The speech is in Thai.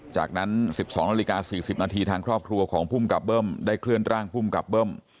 จากนั้น๑๒นาฬิกา๔๐นาทีทางครอบครัวของภูมิกับเบิ้มได้เคลื่อนร่างภูมิกับเบิ้ม